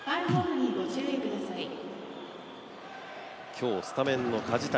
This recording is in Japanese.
今日スタメンの梶谷。